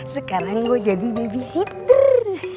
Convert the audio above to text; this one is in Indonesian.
sekarang gue jadi babysitter